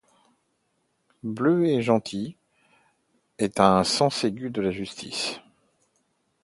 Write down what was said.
Bleu est gentil et a un sens aigu de la justice.